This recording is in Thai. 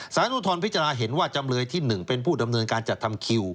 สารอุทธรณพิจารณาเห็นว่าจำเลยที่๑เป็นผู้ดำเนินการจัดทำคิว